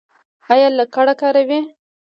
ایا لکړه کاروئ؟